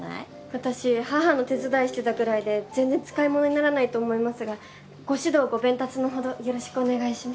私母の手伝いしてたぐらいで全然使いものにならないと思いますがご指導ご鞭撻のほどよろしくお願いします。